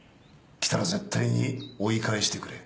来たら絶対に追い返してくれ。